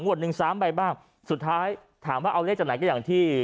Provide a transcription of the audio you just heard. หนึ่งสามใบบ้างสุดท้ายถามว่าเอาเลขจากไหนก็อย่างที่